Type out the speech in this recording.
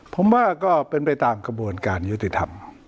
ผมว่าก็เป็นไปตามกระบวนการยุติธรรม